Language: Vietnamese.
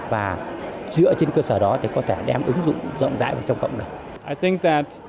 và dựa trên cơ sở đó thì có thể đem ứng dụng rộng rãi vào trong cộng đồng